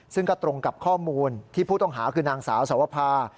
ซึ่งก็ตรงกับข้อมูลที่ผู้ต้องหาคือนางสาวสวภา